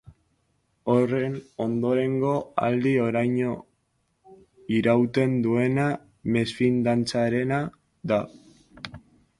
Horren ondorengo aldia, oraino irauten duena, mesfidantzarena da.